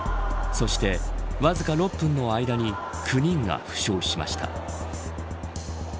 そして、わずか６分の間に９人が負傷しました。